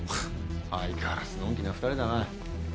相変わらずのんきな２人だな。